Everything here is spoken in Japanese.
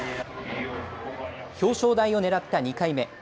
表彰台をねらった２回目。